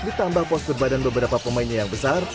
ditambah poster badan beberapa pemainnya yang besar